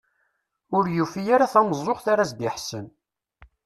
Ur yufi ara tameẓẓuɣt ara as-d-iḥessen.